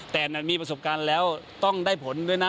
แต่มีประสบการณ์แล้วต้องได้ผลด้วยนะ